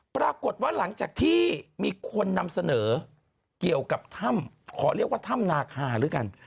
ปรากฏว่าหลังจากที่มีคนนำเสนอเกี่ยวกับถ้ำขอเรียกว่าถ้ำนาคาด้วยกัน